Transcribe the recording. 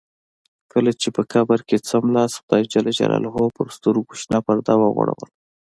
کله چې په قبر کې څملاست خدای جل جلاله پر سترګو شنه پرده وغوړوله.